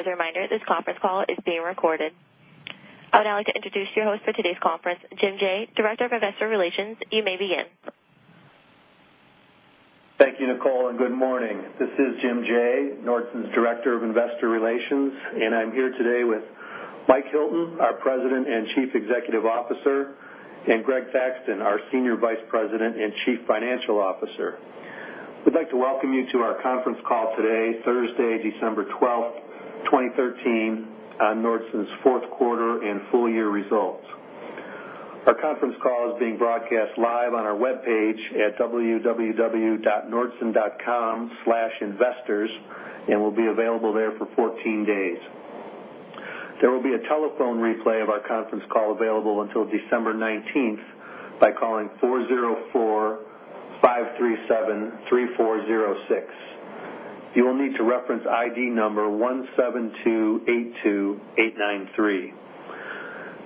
As a reminder, this conference call is being recorded. I would now like to introduce your host for today's conference, Jim Jaye, Director of Investor Relations. You may begin. Thank you, Nicole, and good morning. This is Jim Jaye, Nordson's Director of Investor Relations, and I'm here today with Mike Hilton, our President and Chief Executive Officer, and Greg Thaxton, our Senior Vice President and Chief Financial Officer. We'd like to welcome you to our conference call today, Thursday, December 12, 2013, on Nordson's fourth quarter and full-year results. Our conference call is being broadcast live on our webpage at www.nordson.com/investors, and will be available there for 14 days. There will be a telephone replay of our conference call available until December 19 by calling four zero four five seven three four zero six. You will need to reference ID number one seven two eight two eight nine three.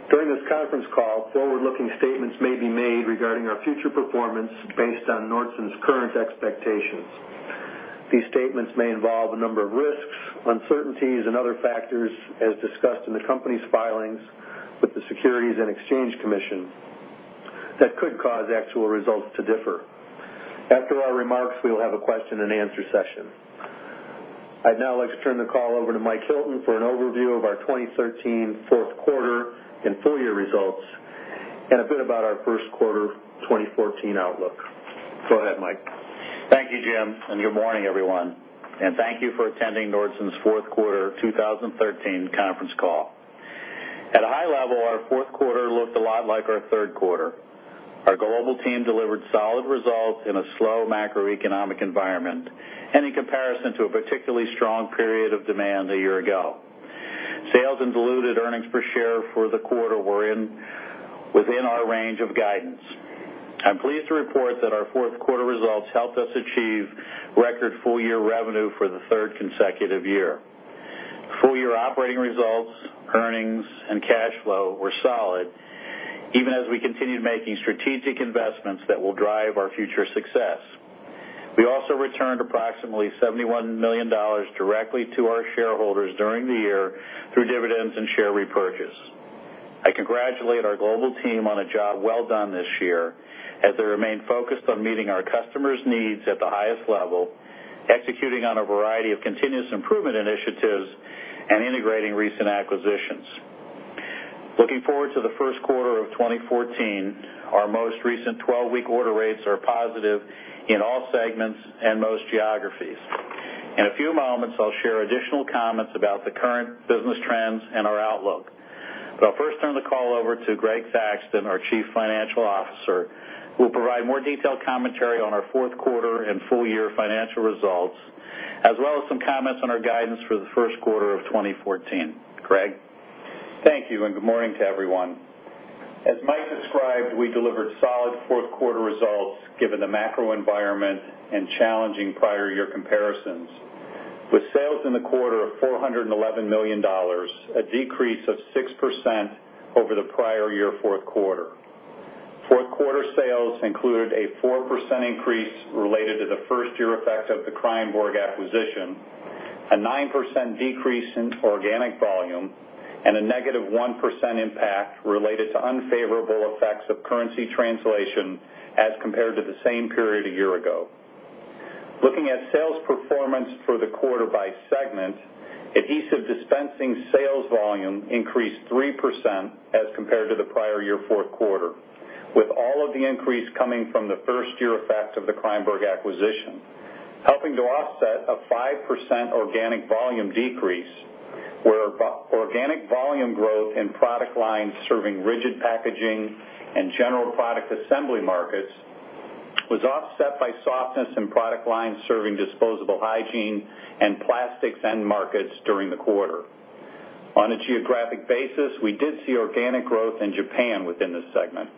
During this conference call, forward-looking statements may be made regarding our future performance based on Nordson's current expectations. These statements may involve a number of risks, uncertainties, and other factors, as discussed in the company's filings with the Securities and Exchange Commission, that could cause actual results to differ. After our remarks, we will have a question-and-answer session. I'd now like to turn the call over to Mike Hilton for an overview of our 2013 fourth quarter and full-year results, and a bit about our first quarter 2014 outlook. Go ahead, Mike. Thank you, Jim, and good morning, everyone. Thank you for attending Nordson's fourth quarter 2013 conference call. At a high level, our fourth quarter looked a lot like our third quarter. Our global team delivered solid results in a slow macroeconomic environment and in comparison to a particularly strong period of demand a year ago. Sales and diluted earnings per share for the quarter were in within our range of guidance. I'm pleased to report that our fourth quarter results helped us achieve record full-year revenue for the third consecutive year. Full-year operating results, earnings, and cash flow were solid even as we continued making strategic investments that will drive our future success. We also returned approximately $71 million directly to our shareholders during the year through dividends and share repurchase. I congratulate our global team on a job well done this year as they remain focused on meeting our customers' needs at the highest level, executing on a variety of continuous improvement initiatives, and integrating recent acquisitions. Looking forward to the first quarter of 2014, our most recent 12-week order rates are positive in all segments and most geographies. In a few moments, I'll share additional comments about the current business trends and our outlook. I'll first turn the call over to Greg Thaxton, our Chief Financial Officer, who will provide more detailed commentary on our fourth quarter and full-year financial results, as well as some comments on our guidance for the first quarter of 2014. Greg. Thank you, and good morning to everyone. As Mike described, we delivered solid fourth quarter results given the macro environment and challenging prior year comparisons. With sales in the quarter of $411 million, a decrease of 6% over the prior year's fourth quarter. Fourth quarter sales included a 4% increase related to the first year effect of the Kreyenborg acquisition, a 9% decrease in organic volume, and a -1% impact related to unfavorable effects of currency translation as compared to the same period a year ago. Looking at sales performance for the quarter by segment, Adhesive Dispensing sales volume increased 3% as compared to the prior year fourth quarter, with all of the increase coming from the first year effect of the Kreyenborg acquisition, helping to offset a 5% organic volume decrease, where non-organic volume growth in product lines serving rigid packaging and general product assembly markets was offset by softness in product lines serving disposable hygiene and plastics end markets during the quarter. On a geographic basis, we did see organic growth in Japan within this segment.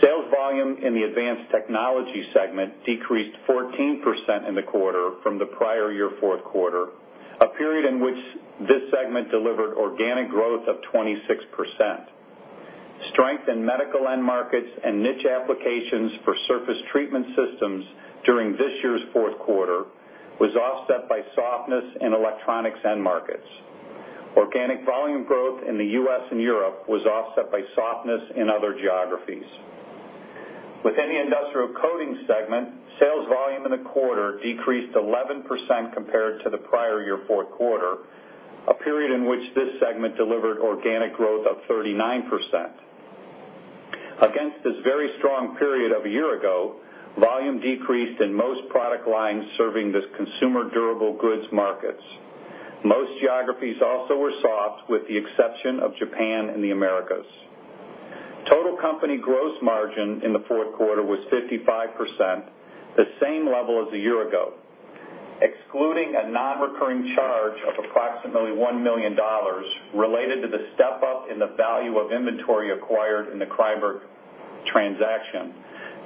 Sales volume in the Advanced Technology segment decreased 14% in the quarter from the prior year fourth quarter, a period in which this segment delivered organic growth of 26%. Strength in medical end markets and niche applications for surface treatment systems during this year's fourth quarter was offset by softness in electronics end markets. Organic volume growth in the U.S. and Europe was offset by softness in other geographies. Within the Industrial Coatings segment, sales volume in the quarter decreased 11% compared to the prior year fourth quarter, a period in which this segment delivered organic growth of 39%. Against this very strong period of a year ago, volume decreased in most product lines serving this consumer durable goods markets. Most geographies also were soft, with the exception of Japan and the Americas. Total company gross margin in the fourth quarter was 55%, the same level as a year ago. Excluding a non-recurring charge of approximately $1 million related to the step-up in the value of inventory acquired in the Kreyenborg transaction,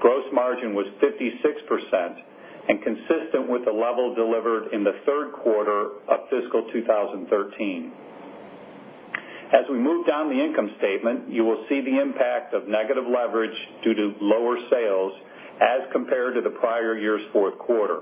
gross margin was 56% and consistent with the level delivered in the third quarter of fiscal 2013. As we move down the income statement, you will see the impact of negative leverage due to lower sales as compared to the prior year's fourth quarter.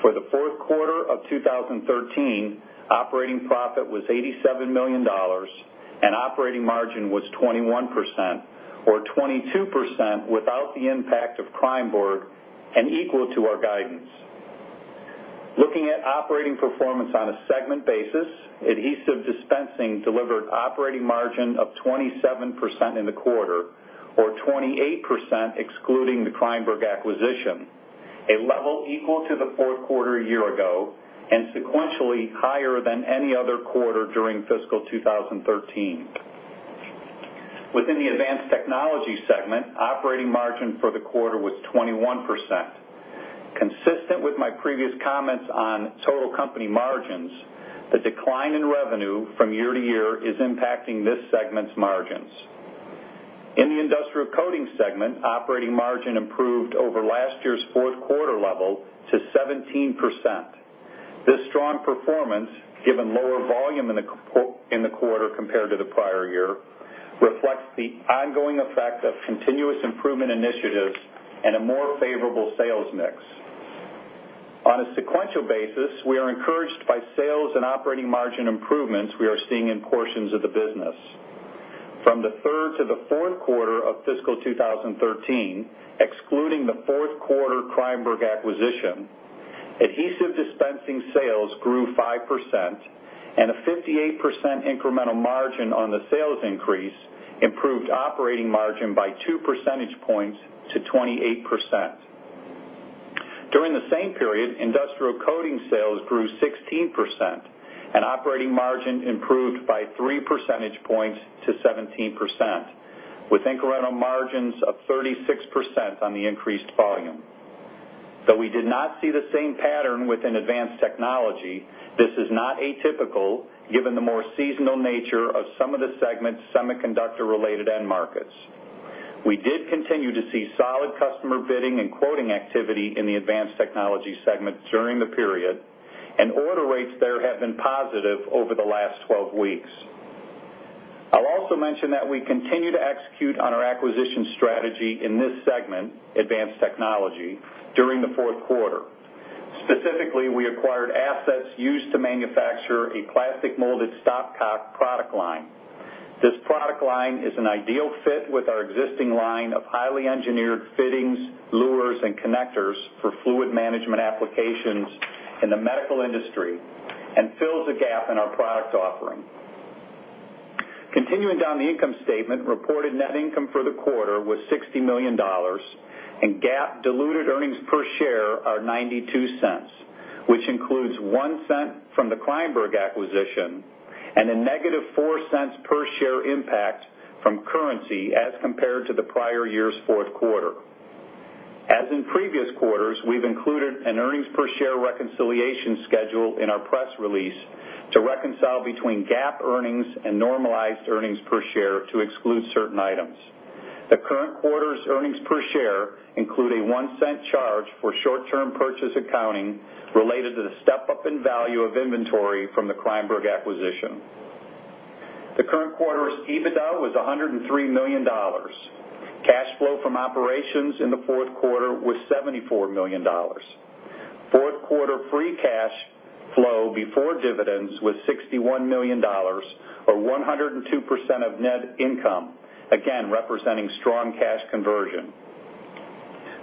For the fourth quarter of 2013, operating profit was $87 million and operating margin was 21%, or 22% without the impact of Kreyenborg, and equal to our guidance. Looking at operating performance on a segment basis, Adhesive Dispensing delivered operating margin of 27% in the quarter, or 28% excluding the Kreyenborg acquisition, a level equal to the fourth quarter a year ago, and sequentially higher than any other quarter during fiscal 2013. Within the Advanced Technology segment, operating margin for the quarter was 21%. Consistent with my previous comments on total company margins, the decline in revenue year-over-year is impacting this segment's margins. In the Industrial Coatings segment, operating margin improved over last year's fourth quarter level to 17%. This strong performance, given lower volume in the quarter compared to the prior year, reflects the ongoing effect of continuous improvement initiatives and a more favorable sales mix. On a sequential basis, we are encouraged by sales and operating margin improvements we are seeing in portions of the business. From the third to the fourth quarter of fiscal 2013, excluding the fourth quarter Kreyenborg acquisition, Adhesive Dispensing sales grew 5%, and a 58% incremental margin on the sales increase improved operating margin by 2 percentage points to 28%. During the same period, Industrial Coatings sales grew 16%, and operating margin improved by three percentage points to 17%, with incremental margins of 36% on the increased volume. Though we did not see the same pattern within Advanced Technology, this is not atypical given the more seasonal nature of some of the segment's semiconductor-related end markets. We did continue to see solid customer bidding and quoting activity in the Advanced Technology segment during the period, and order rates there have been positive over the last 12-weeks. I'll also mention that we continue to execute on our acquisition strategy in this segment, Advanced Technology, during the fourth quarter. Specifically, we acquired assets used to manufacture a plastic molded stopcock product line. This product line is an ideal fit with our existing line of highly engineered fittings, Luers, and connectors for fluid management applications in the medical industry and fills a gap in our product offering. Continuing down the income statement, reported net income for the quarter was $60 million, and GAAP diluted earnings per share are $0.92, which includes $0.01 from the Kreyenborg acquisition and a $-0.04 per share impact from currency as compared to the prior year's fourth quarter. As in previous quarters, we've included an earnings per share reconciliation schedule in our press release to reconcile between GAAP earnings and normalized earnings per share to exclude certain items. The current quarter's earnings per share include a $0.01 charge for short-term purchase accounting related to the step-up in value of inventory from the Kreyenborg acquisition. The current quarter's EBITDA was $103 million. Cash flow from operations in the fourth quarter was $74 million. Fourth quarter free cash flow before dividends was $61 million, or 102% of net income, again, representing strong cash conversion.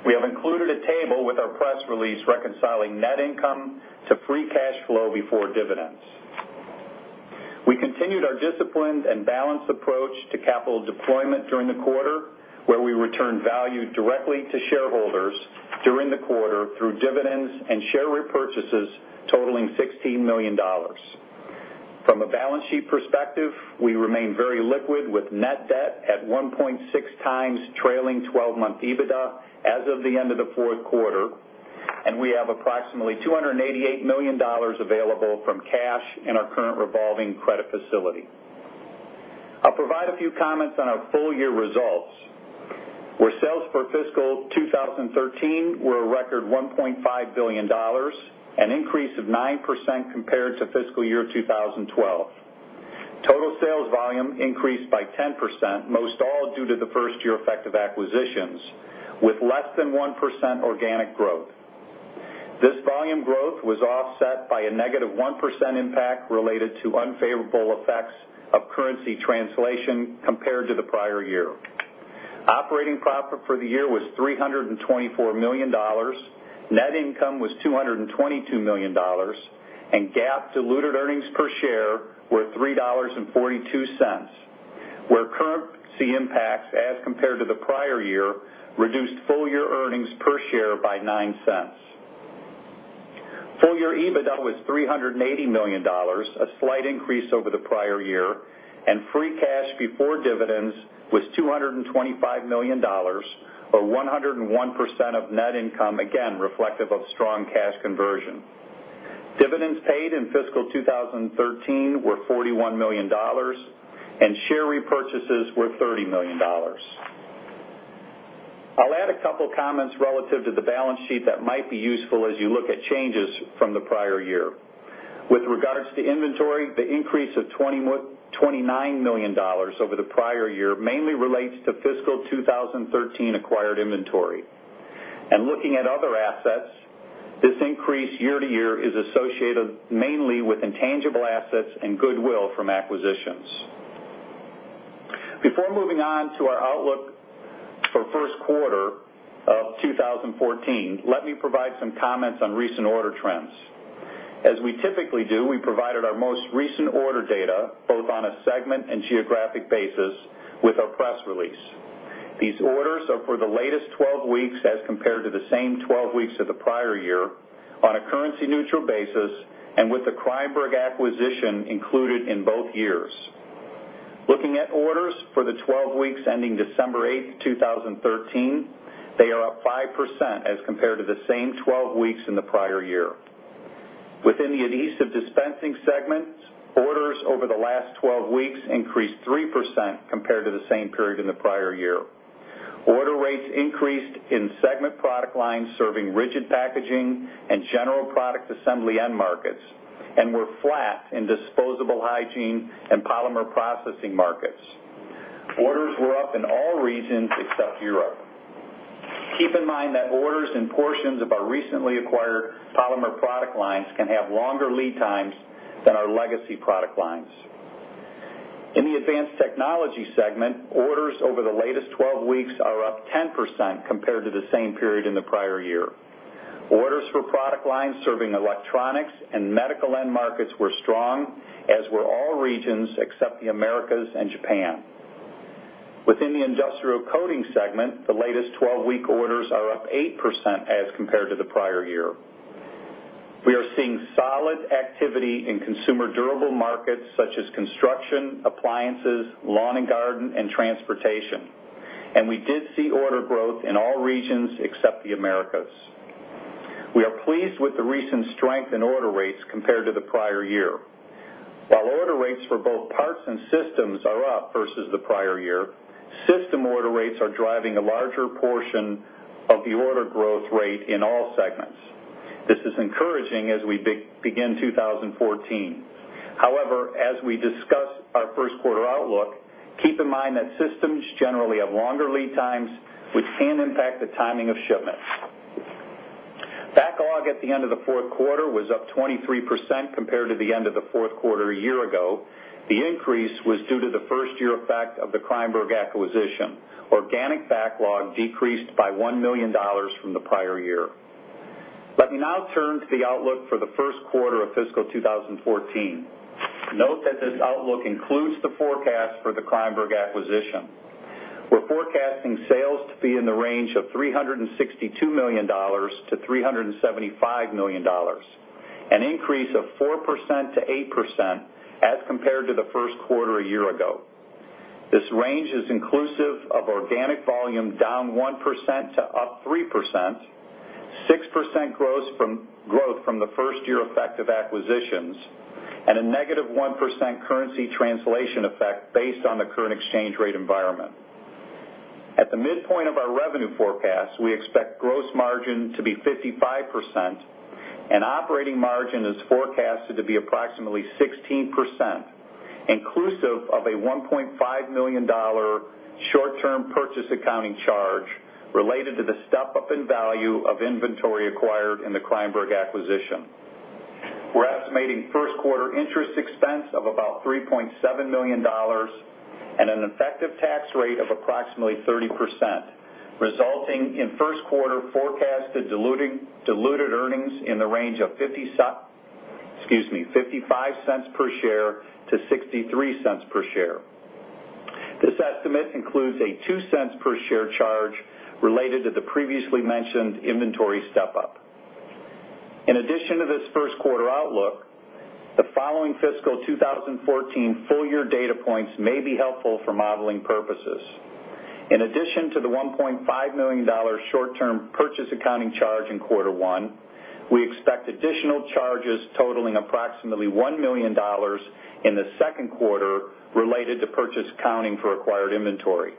We have included a table with our press release reconciling net income to free cash flow before dividends. We continued our disciplined and balanced approach to capital deployment during the quarter, where we returned value directly to shareholders during the quarter through dividends and share repurchases totaling $16 million. From a balance sheet perspective, we remain very liquid with net debt at 1.6x trailing 12-month EBITDA as of the end of the fourth quarter, and we have approximately $288 million available from cash in our current revolving credit facility. I'll provide a few comments on our full-year results, where sales for fiscal 2013 were a record $1.5 billion, an increase of 9% compared to fiscal year 2012. Total sales volume increased by 10%, most all due to the first year effect of acquisitions, with less than 1% organic growth. This volume growth was offset by a -1% impact related to unfavorable effects of currency translation compared to the prior year. Operating profit for the year was $324 million, net income was $222 million, and GAAP diluted earnings per share were $3.42, where currency impacts as compared to the prior year reduced full-year earnings per share by $0.09. Full-year EBITDA was $380 million, a slight increase over the prior year, and free cash before dividends was $225 million, or 101% of net income, again reflective of strong cash conversion. Dividends paid in fiscal 2013 were $41 million, and share repurchases were $30 million. I'll add a couple of comments relative to the balance sheet that might be useful as you look at changes from the prior year. With regards to inventory, the increase of $29 million over the prior year mainly relates to fiscal 2013 acquired inventory. Looking at other assets, this increase year-to-year is associated mainly with intangible assets and goodwill from acquisitions. Before moving on to our outlook for first quarter of 2014, let me provide some comments on recent order trends. As we typically do, we provided our most recent order data, both on a segment and geographic basis, with our press release. These orders are for the latest 12-weeks as compared to the same 12-weeks of the prior year on a currency-neutral basis, and with the Kreyenborg acquisition included in both years. Looking at orders for the 12-weeks ending December 8, 2013, they are up 5% as compared to the same 12-weeks in the prior year. Within the Adhesive Dispensing segments, orders over the last 12-weeks increased 3% compared to the same period in the prior year. Order rates increased in segment product lines serving rigid packaging and general product assembly end markets, and were flat in disposable hygiene and polymer processing markets. Orders were up in all regions except Europe. Keep in mind that orders and portions of our recently acquired polymer product lines can have longer lead times than our legacy product lines. In the Advanced Technology segment, orders over the latest 12-weeks are up 10% compared to the same period in the prior year. Orders for product lines serving electronics and medical end markets were strong, as were all regions except the Americas and Japan. Within the Industrial Coatings segment, the latest 12-week orders are up 8% as compared to the prior year. We are seeing solid activity in consumer durable markets such as construction, appliances, lawn and garden, and transportation. We did see order growth in all regions except the Americas. We are pleased with the recent strength in order rates compared to the prior year. While order rates for both parts and systems are up versus the prior year, system order rates are driving a larger portion of the order growth rate in all segments. This is encouraging as we begin 2014. However, as we discuss our first quarter outlook, keep in mind that systems generally have longer lead times, which can impact the timing of shipments. Backlog at the end of the fourth quarter was up 23% compared to the end of the fourth quarter a year ago. The increase was due to the first year effect of the Kreyenborg acquisition. Organic backlog decreased by $1 million from the prior year. Let me now turn to the outlook for the first quarter of fiscal 2014. Note that this outlook includes the forecast for the Kreyenborg acquisition. We're forecasting sales to be in the range of $362 million-$375 million, an increase of 4%-8% as compared to the first quarter a year ago. This range is inclusive of organic volume down 1% to up 3%, 6% growth from the first year effect of acquisitions, and a -1% currency translation effect based on the current exchange rate environment. At the midpoint of our revenue forecast, we expect gross margin to be 55%, and operating margin is forecasted to be approximately 16%, inclusive of a $1.5 million short-term purchase accounting charge related to the step-up in value of inventory acquired in the Kreyenborg acquisition. We're estimating first quarter interest expense of about $3.7 million and an effective tax rate of approximately 30%, resulting in first quarter forecast to diluted earnings in the range of $0.55-$0.63 per share. This estimate includes a $0.02 per share charge related to the previously mentioned inventory step-up. In addition to this first quarter outlook, the following fiscal 2014 full-year data points may be helpful for modeling purposes. In addition to the $1.5 million short-term purchase accounting charge in quarter one, we expect additional charges totaling approximately $1 million in the second quarter related to purchase accounting for acquired inventory.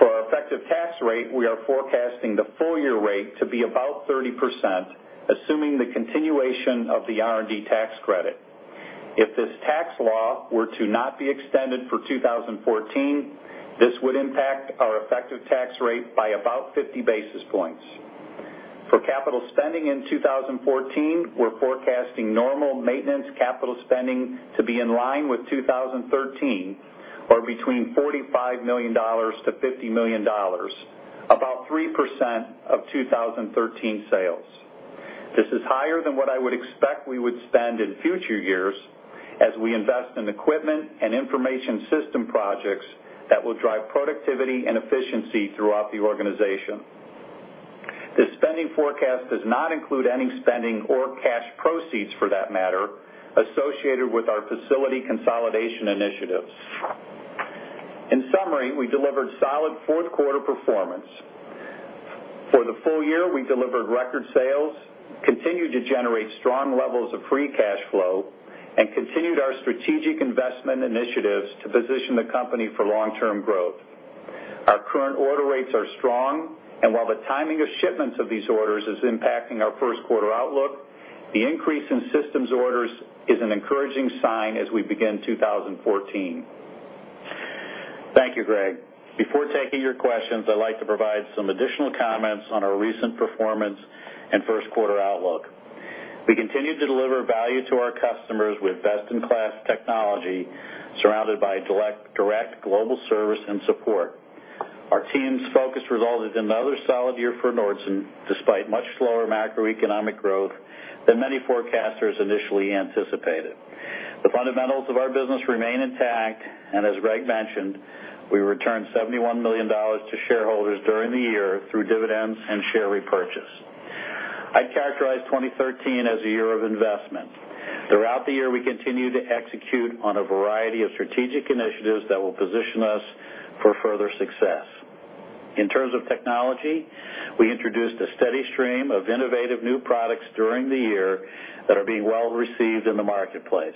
For our effective tax rate, we are forecasting the full-year rate to be about 30%, assuming the continuation of the R&D tax credit. If this tax law were to not be extended for 2014, this would impact our effective tax rate by about 50 basis points. For capital spending in 2014, we're forecasting normal maintenance capital spending to be in line with 2013, or between $45 million-$50 million, about 3% of 2013 sales. This is higher than what I would expect we would spend in future years as we invest in equipment and information system projects that will drive productivity and efficiency throughout the organization. This spending forecast does not include any spending or cash proceeds, for that matter, associated with our facility consolidation initiatives. In summary, we delivered a solid fourth quarter performance. For the full year, we delivered record sales, continued to generate strong levels of free cash flow, and continued our strategic investment initiatives to position the company for long-term growth. Our current order rates are strong, and while the timing of shipments of these orders is impacting our first quarter outlook, the increase in systems orders is an encouraging sign as we begin 2014. Thank you, Greg. Before taking your questions, I'd like to provide some additional comments on our recent performance and first quarter outlook. We continue to deliver value to our customers with best-in-class technology surrounded by direct global service and support. Our team's focus resulted in another solid year for Nordson despite much slower macroeconomic growth than many forecasters initially anticipated. The fundamentals of our business remain intact, and as Greg mentioned, we returned $71 million to shareholders during the year through dividends and share repurchase. I'd characterize 2013 as a year of investment. Throughout the year, we continued to execute on a variety of strategic initiatives that will position us for further success. In terms of technology, we introduced a steady stream of innovative new products during the year that are being well-received in the marketplace.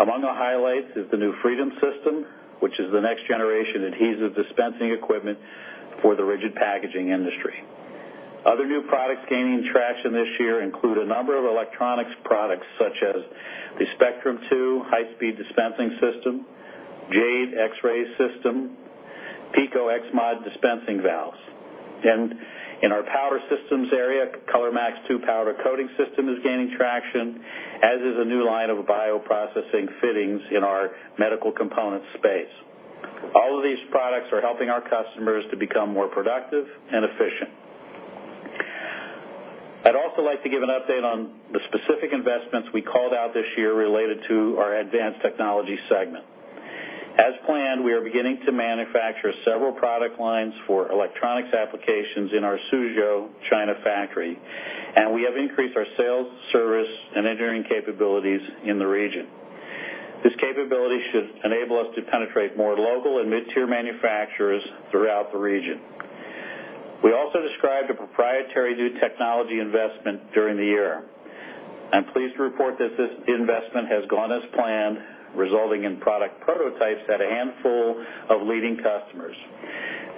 Among the highlights is the new Freedom System, which is the next-generation adhesive dispensing equipment for the rigid packaging industry. Other new products gaining traction this year include a number of electronics products, such as the Spectrum II high-speed dispensing system, Nordson DAGE system, PICO xMOD dispensing valves. In our powder systems area, ColorMax two powder coating system is gaining traction, as is a new line of bioprocessing fittings in our medical components space. All of these products are helping our customers to become more productive and efficient. I'd also like to give an update on the specific investments we called out this year related to our Advanced Technology segment. As planned, we are beginning to manufacture several product lines for electronics applications in our Suzhou, China factory, and we have increased our sales, service, and engineering capabilities in the region. This capability should enable us to penetrate more local and mid-tier manufacturers throughout the region. We also described a proprietary new technology investment during the year. I'm pleased to report that this investment has gone as planned, resulting in product prototypes at a handful of leading customers.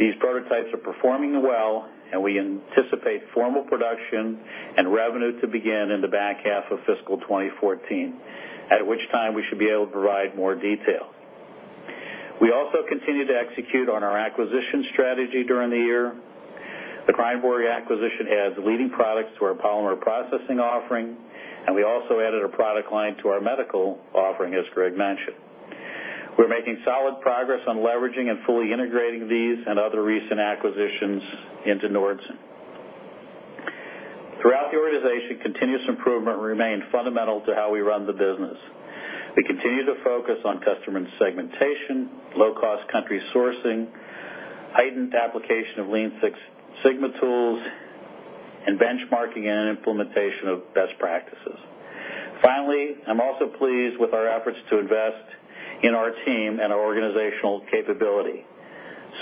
These prototypes are performing well and we anticipate formal production and revenue to begin in the back half of fiscal 2014, at which time we should be able to provide more detail. We also continued to execute on our acquisition strategy during the year. The Kreyenborg acquisition adds leading products to our polymer processing offering, and we also added a product line to our medical offering, as Greg mentioned. We're making solid progress on leveraging and fully integrating these and other recent acquisitions into Nordson. Throughout the organization, continuous improvement remained fundamental to how we run the business. We continue to focus on customer segmentation, low-cost country sourcing, heightened application of Lean Six Sigma tools, and benchmarking and implementation of best practices. Finally, I'm also pleased with our efforts to invest in our team and our organizational capability.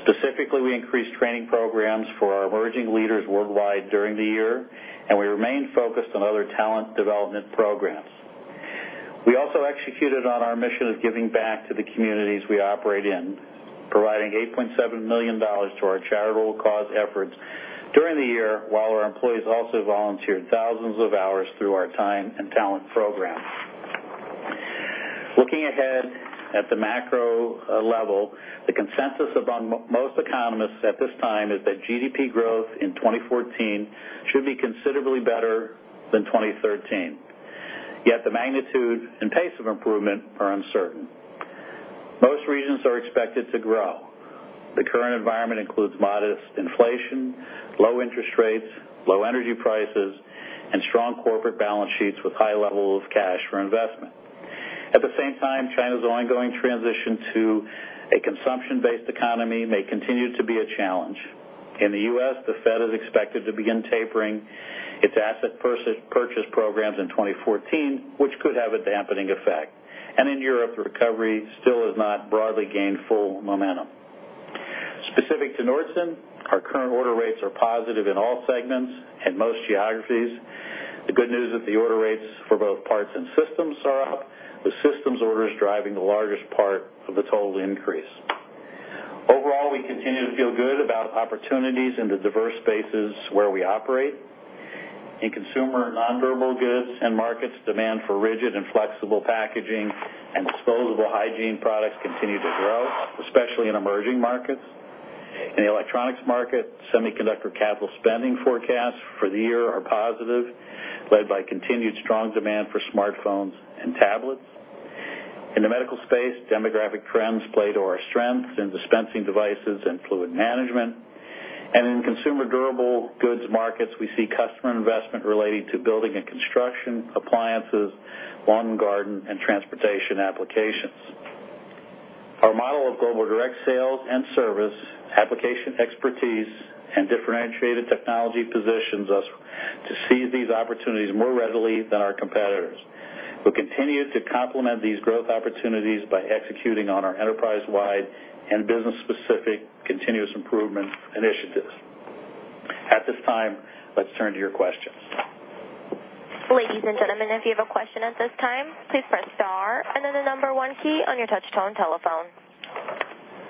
Specifically, we increased training programs for our emerging leaders worldwide during the year, and we remained focused on other talent development programs. We also executed on our mission of giving back to the communities we operate in, providing $8.7 million to our charitable cause efforts during the year, while our employees also volunteered thousands of hours through our time and talent program. Looking ahead at the macro level, the consensus among most economists at this time is that GDP growth in 2014 should be considerably better than in 2013. Yet the magnitude and pace of improvement are uncertain. Most regions are expected to grow. The current environment includes modest inflation, low interest rates, low energy prices, and strong corporate balance sheets with high levels of cash for investment. At the same time, China's ongoing transition to a consumption-based economy may continue to be a challenge. In the U.S., the Fed is expected to begin tapering its asset purchase programs in 2014, which could have a dampening effect. In Europe, the recovery still has not broadly gained full momentum. Specific to Nordson, our current order rates are positive in all segments and most geographies. The good news is the order rates for both parts and systems are up, with systems orders driving the largest part of the total increase. Overall, we continue to feel good about opportunities in the diverse spaces where we operate. In consumer non-durable goods and markets, demand for rigid and flexible packaging and disposable hygiene products continue to grow, especially in emerging markets. In the electronics market, semiconductor capital spending forecasts for the year are positive, led by continued strong demand for smartphones and tablets. In the medical space, demographic trends play to our strengths in dispensing devices and fluid management. In consumer durable goods markets, we see customer investment relating to building and construction, appliances, lawn and garden, and transportation applications. Our model of global direct sales and service, application expertise, and differentiated technology positions us to seize these opportunities more readily than our competitors. We'll continue to complement these growth opportunities by executing on our enterprise-wide and business-specific continuous improvement initiatives. At this time, let's turn to your questions. Ladies and gentlemen, if you have a question at this time, please press star and then the number one key on your touchtone telephone.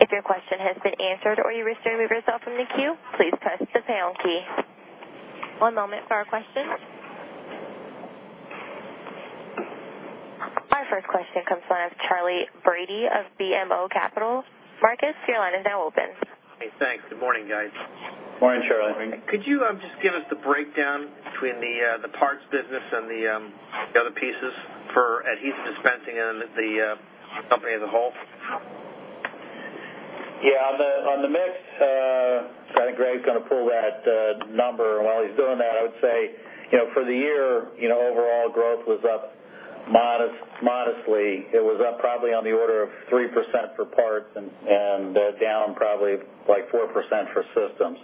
If your question has been answered or you wish to remove yourself from the queue, please press the pound key. One moment for our questions. Our first question comes from Charley Brady of BMO Capital. Charlie, your line is now open. Hey, thanks. Good morning, guys. Morning, Charlie. Could you just give us the breakdown between the parts business and the other pieces for Adhesive Dispensing and the company as a whole? Yeah, on the mix, so I think Greg's gonna pull that number. While he's doing that, I would say, you know, for the year, you know, overall growth was up modestly. It was up probably on the order of 3% for parts and down probably like 4% for systems.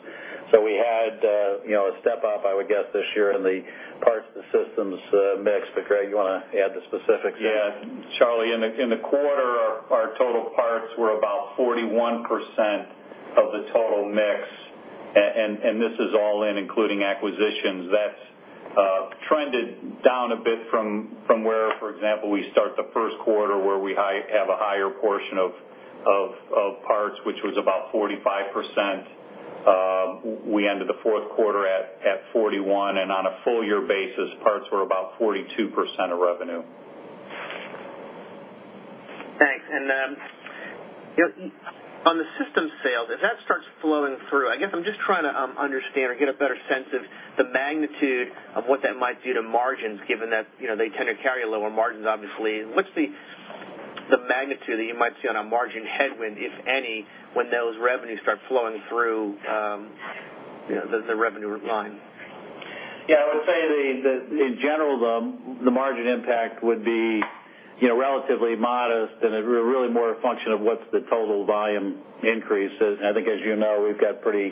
We had, you know, a step up, I would guess this year in the parts to systems mix. Greg, you wanna add the specifics there? Yeah. Charlie, in the quarter, our total parts were about 41% of the total mix. This is all in including acquisitions. That's trended down a bit from where, for example, we started the first quarter, where we have a higher portion of parts, which was about 45%. We ended the fourth quarter at 41%, and on a full-year basis, parts were about 42% of revenue. Thanks. You know, on the systems sales, as that starts flowing through, I guess I'm just trying to understand or get a better sense of the magnitude of what that might do to margins, given that, you know, they tend to carry lower margins, obviously. What's the magnitude that you might see on a margin headwind, if any, when those revenues start flowing through, you know, the revenue line? Yeah, I would say in general the margin impact would be, you know, relatively modest, and it's really more a function of what's the total volume increase. I think, as you know, we've got pretty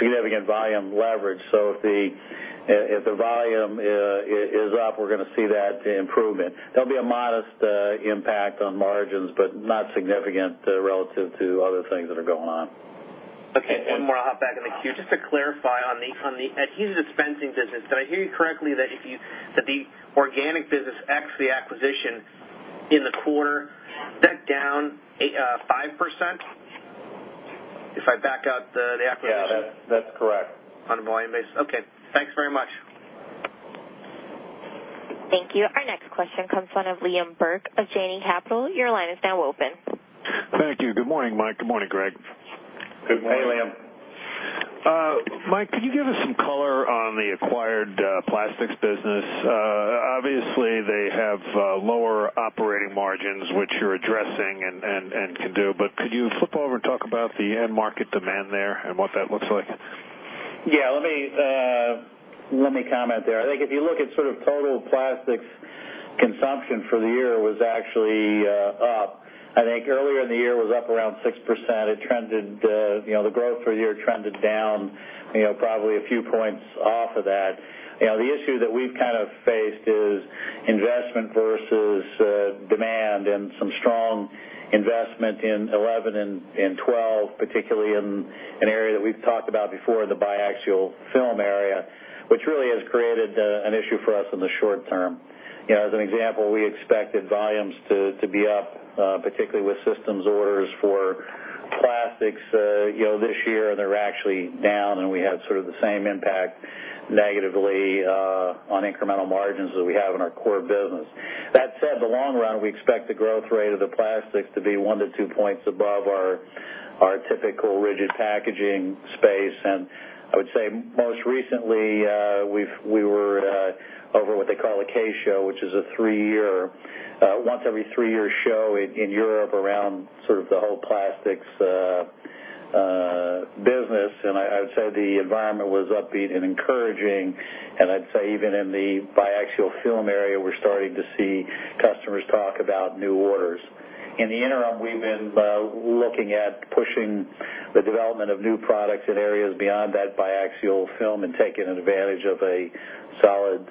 significant volume leverage. So if the volume is up, we're gonna see that improvement. There'll be a modest impact on margins, but not significant relative to other things that are going on. Okay. One more, I'll hop back in the queue. Just to clarify on the Adhesive Dispensing business, did I hear you correctly that the organic business, ex the acquisition in the quarter, is that down 5%, if I back out the acquisition? Yeah. That's correct. On a volume basis. Okay. Thanks very much. Thank you. Our next question comes from Liam Burke of Janney Capital Markets. Your line is now open. Thank you. Good morning, Mike. Good morning, Greg. Good morning. Hey, Liam. Mike, could you give us some color on the acquired plastics business? Obviously, they have lower operating margins, which you're addressing and can do. Could you flip over and talk about the end market demand there and what that looks like? Yeah. Let me comment there. I think if you look at sort of total plastics consumption for the year was actually up. I think earlier in the year was up around 6%. It trended, you know, the growth for a year trended down, you know, probably a few points off of that. You know, the issue that we've kind of faced is investment versus demand, and some strong investment in 2011 and 2012, particularly in an area that we've talked about before, the biaxial film area, which really has created an issue for us in the short-term. You know, as an example, we expected volumes to be up, particularly with systems orders for plastics, you know, this year, they're actually down, and we had sort of the same impact negatively on incremental margins that we have in our core business. That said, the long run, we expect the growth rate of the plastics to be one to two points above our typical rigid packaging space. I would say most recently, we were over what they call a K Show, which is a three-year, once every three-year show in Europe around sort of the whole plastics business. I would say the environment was upbeat and encouraging. I'd say even in the biaxial film area, we're starting to see customers talk about new orders. In the interim, we've been looking at pushing the development of new products in areas beyond that biaxial film and taking advantage of a solid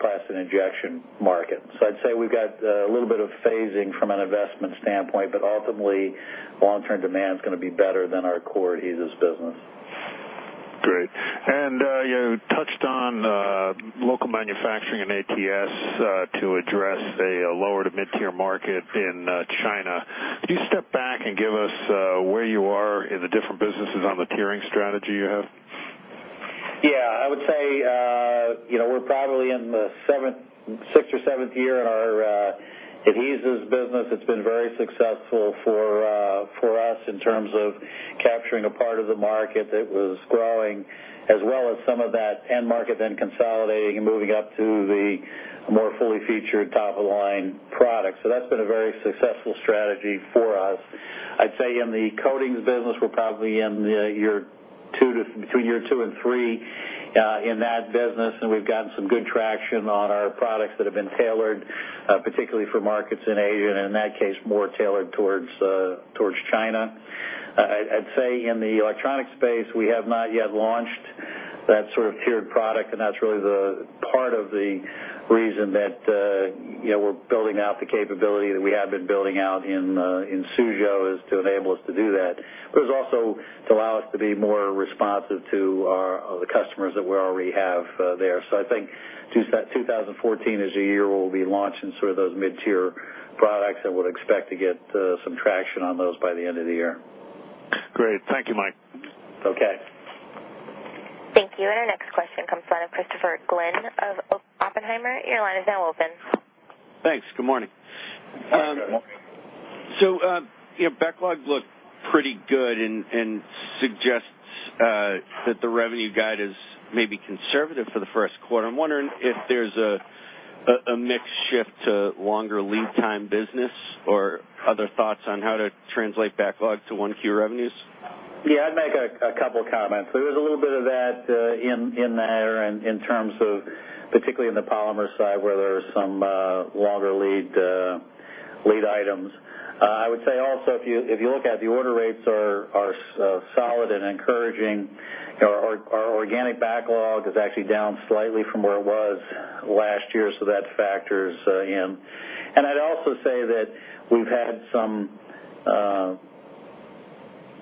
plastic injection market. I'd say we've got a little bit of phasing from an investment standpoint, but ultimately, long-term demand's gonna be better than our core adhesives business. Great. You touched on local manufacturing and ATS to address a lower to mid-tier market in China. Could you step back and give us where you are in the different businesses on the tiering strategy you have? Yeah. I would say, you know, we're probably in the sixth or seventh year in our adhesives business. It's been very successful for us in terms of capturing a part of the market that was growing, as well as some of that end market then, consolidating and moving up to the more fully featured top-of-the-line products. That's been a very successful strategy for us. I'd say in the coatings business, we're probably between year two and three in that business, and we've gotten some good traction on our products that have been tailored particularly for markets in Asia, and in that case, more tailored towards China. I'd say in the electronic space, we have not yet launched that sort of tiered product, and that's really the part of the reason that you know, we're building out the capability that we have been building out in Suzhou is to enable us to do that. But it's also to allow us to be more responsive to our customers that we already have there. I think 2014 is the year we'll be launching sort of those mid-tier products and would expect to get some traction on those by the end of the year. Great. Thank you, Mike. Okay. Thank you. Our next question comes from Christopher Glynn of Oppenheimer. Your line is now open. Thanks. Good morning. Good morning. You know, backlog looked pretty good and suggests that the revenue guide is maybe conservative for the first quarter. I'm wondering if there's a mix shift to longer lead time business or other thoughts on how to translate backlog to 1Q revenues. Yeah, I'd make a couple comments. There was a little bit of that in there in terms of, particularly in the polymer side where there's some longer lead items. I would say also if you look at the order rates are solid and encouraging. You know, our organic backlog is actually down slightly from where it was last year, so that factors in. I'd also say that we've had some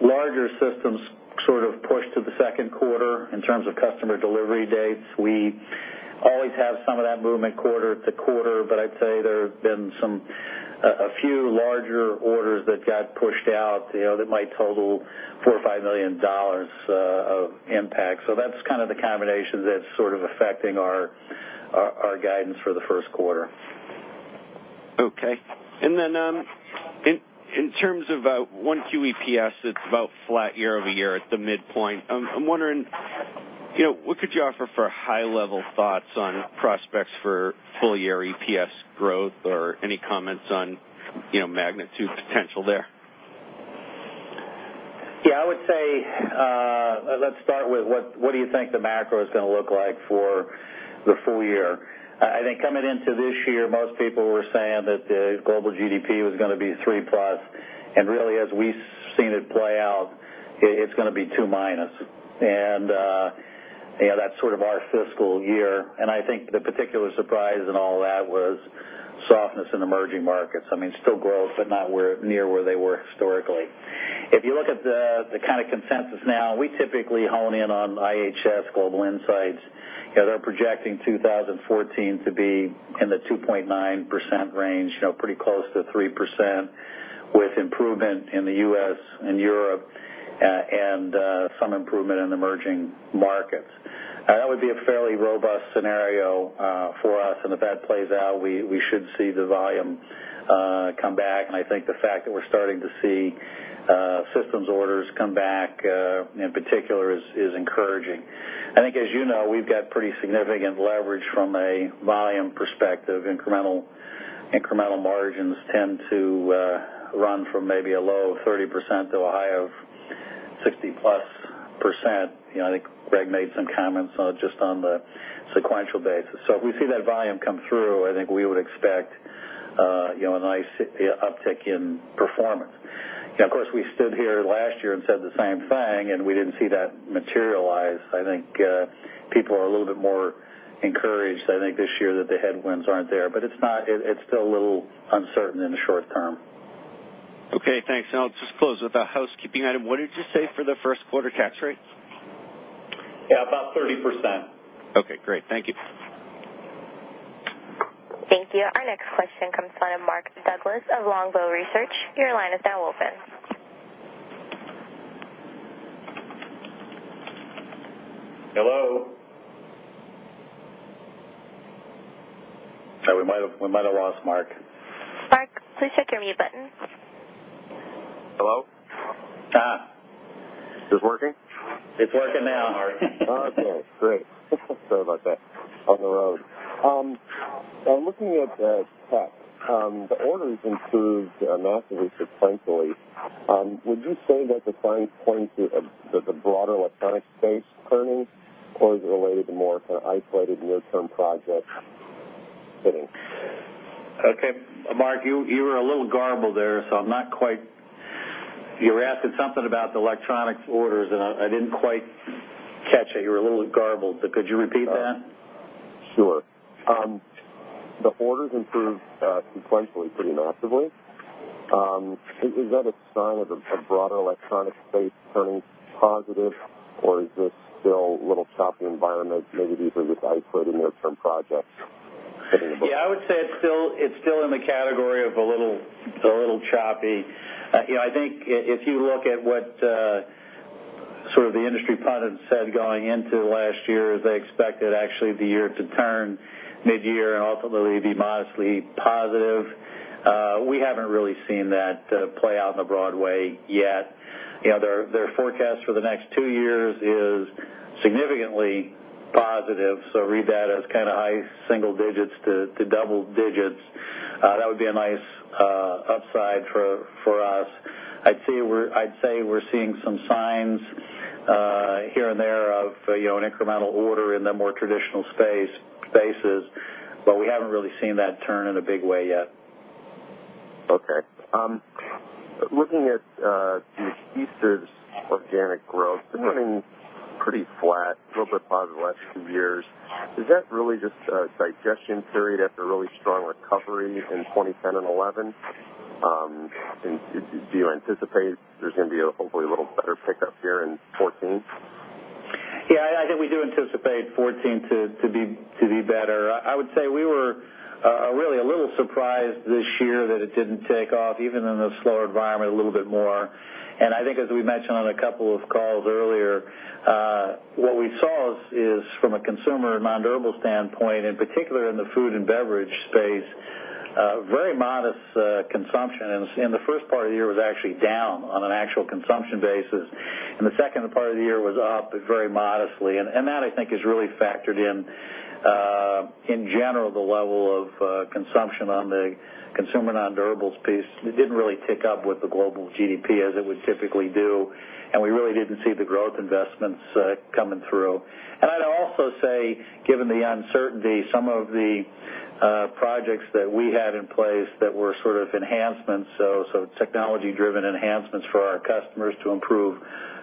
larger systems sort of push to the second quarter in terms of customer delivery dates. We always have some of that movement quarter to quarter, but I'd say there have been some a few larger orders that got pushed out, you know, that might total $4 or $5 million of impact. That's kind of the combination that's sort of affecting our guidance for the first quarter. Okay. In terms of 1Q EPS, it's about flat year over year at the midpoint. I'm wondering, you know, what could you offer for high-level thoughts on prospects for full-year EPS growth or any comments on, you know, magnitude potential there? Yeah, I would say, let's start with what do you think the macro is gonna look like for the full year? I think coming into this year, most people were saying that the global GDP was gonna be 3+. Really, as we seen it play out, it's gonna be 2-. You know, that's sort of our fiscal year. I think the particular surprise in all that was softness in emerging markets. I mean, still growth, but not near where they were historically. If you look at the kind of consensus now, we typically hone in on IHS Global Insight, 'cause they're projecting 2014 to be in the 2.9% range, you know, pretty close to 3% with improvement in the U.S. and Europe, and some improvement in emerging markets. That would be a fairly robust scenario for us. If that plays out, we should see the volume come back. I think the fact that we're starting to see systems orders come back in particular is encouraging. I think, as you know, we've got pretty significant leverage from a volume perspective. Incremental margins tend to run from maybe a low of 30% to a high of 60%+. You know, I think Greg made some comments on it just on the sequential basis. If we see that volume comes through, I think we would expect, you know, a nice uptick in performance. You know, of course, we stood here last year and said the same thing, and we didn't see that materialize. I think, people are a little bit more encouraged, I think, this year that the headwinds aren't there. It's not. It's still a little uncertain in the short-term. Okay, thanks. I'll just close with a housekeeping item. What did you say for the first quarter tax rate? Yeah, about 30%. Okay, great. Thank you. Thank you. Our next question comes from Mark Douglas of Longbow Research. Your line is now open. Hello? Sorry, we might have lost Mark. Mark, please hit your mute button. Hello? Ah. Is this working? It's working now, Mark. Okay, great. Sorry about that. On the road. I'm looking at tech. The orders improved massively sequentially. Would you say that the signs point to the broader electronic space turning, or is it related to more kinda isolated near-term projects hitting? Okay. Mark, you were a little garbled there, so I'm not quite. You were asking something about the electronics orders, and I didn't quite catch it. You were a little garbled. Could you repeat that? Sure. The orders improved sequentially pretty massively. Is that a sign of a broader electronic space turning positive, or is this still a little choppy environment, maybe these are just isolated near-term projects hitting the books? Yeah, I would say it's still in the category of a little choppy. You know, I think if you look at what sort of the industry pundits said going into last year, they expected actually the year to turn mid-year and ultimately be modestly positive. We haven't really seen that play out in a broad way yet. You know, their forecast for the next two years is significantly positive, so read that as kinda high single-digits to double-digits. That would be a nice upside for us. I'd say we're seeing some signs here and there of, you know, an incremental order in the more traditional spaces, but we haven't really seen that turn in a big way yet. Okay. Looking at the Nordson's organic growth, it's been running pretty flat, a little bit positive the last two years. Is that really just a digestion period after a really strong recovery in 2010 and 2011? Do you anticipate there's gonna be, hopefully, a little better pickup here in 2014? Yeah, I think we do anticipate 2014 to be better. I would say we were really a little surprised this year that it didn't take off even in a slower environment, a little bit more. I think, as we mentioned on a couple of calls earlier, what we saw is from a consumer nondurables standpoint, in particular in the food and beverage space, very modest consumption. In the first part of the year was actually down on an actual consumption basis, and the second part of the year was up, but very modestly. That I think has really factored in general, the level of consumption on the consumer nondurables piece. It didn't really tick up with the global GDP as it would typically do, and we really didn't see the growth investments coming through. I'd also say, given the uncertainty, some of the projects that we had in place that were sort of enhancements, technology-driven enhancements for our customers to improve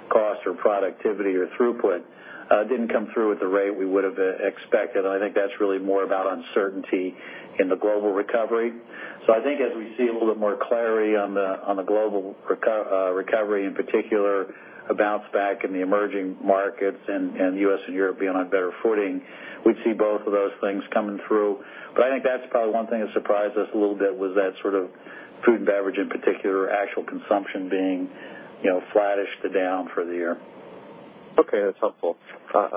cost or productivity or throughput, didn't come through at the rate we would've expected. I think that's really more about uncertainty in the global recovery. I think as we see a little bit more clarity on the global recovery, in particular, a bounce back in the emerging markets and the U.S. and Europe being on better footing, we'd see both of those things coming through. I think that's probably one thing that surprised us a little bit was that sort of food and beverage in particular, actual consumption being, you know, flattish to down for the year. Okay, that's helpful.